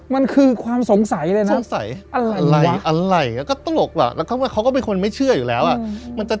มันคือความสงสัยเลยนะสงสัยอะไรอะไรก็ตลกอ่ะแล้วก็เขาก็เป็นคนไม่เชื่ออยู่แล้วอ่ะ